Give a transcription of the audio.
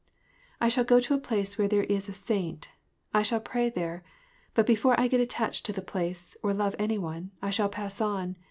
'^ I shall go to a place where there is a saint : I shall pray there ; but before I get attached to the place, or love an jr one, I shall pass on.